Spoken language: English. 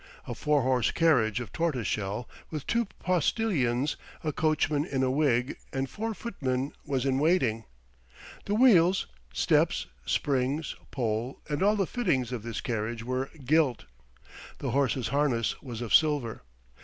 A four horse carriage of tortoise shell, with two postilions, a coachman in a wig, and four footmen, was in waiting. The wheels, steps, springs, pole, and all the fittings of this carriage were gilt. The horses' harness was of silver.